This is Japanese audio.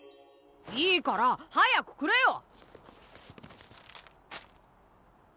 いいから早くくれよ！